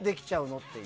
っていう。